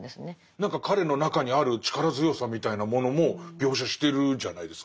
何か彼の中にある力強さみたいなものも描写してるじゃないですか。